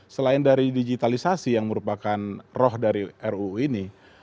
selain dari digitalisasi yang merupakan roh dari ruu ini